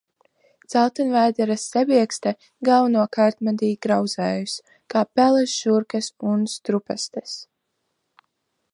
Dzeltenvēdera zebiekste galvenokārt medī grauzējus, kā peles, žurkas un strupastes.